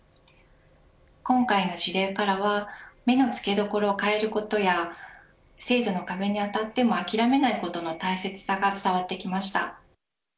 今回の事例からは目のつけどころを変えることや制度の壁に当たっても諦めないことの大切さが伝わってきました。